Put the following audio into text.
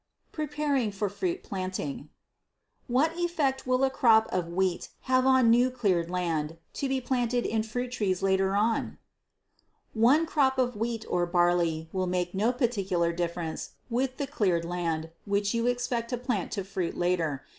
Preparing for Fruit Planting. What effect will a crop of wheat have on new cleared land, to be planted in fruit trees later on? One crop of wheat or barley will make no particular difference with the cleared land which you expect to plant to fruit later.